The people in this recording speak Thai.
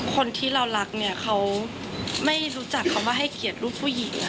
คนที่เรารักเขาไม่รู้จักคำว่าให้เขียนรูปผู้หญิง